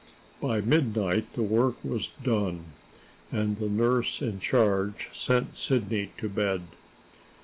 By midnight the work was done, and the nurse in charge sent Sidney to bed.